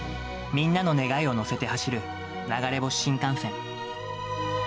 みんなの願いを乗せて走る流れ星新幹線。